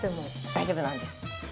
大丈夫なんです。